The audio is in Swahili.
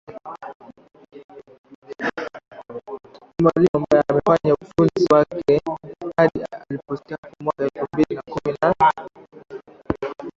ni mwalimu ambaye amefanya utumishi wake hadi alipostaafu mwaka elfu mbili na kumi na